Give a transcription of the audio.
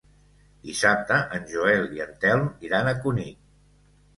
Dissabte en Joel i en Telm iran a Cunit.